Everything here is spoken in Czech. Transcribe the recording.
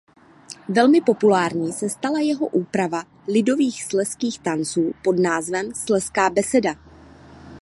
Velmi populární se stala jeho úprava lidových slezských tanců pod názvem "Slezská beseda".